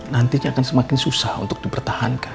nantinya akan semakin susah untuk dipertahankan